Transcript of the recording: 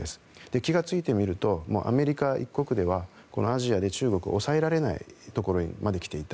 気が付いてみるとアメリカ１国ではアジアで中国を抑えられないところまで来ていた。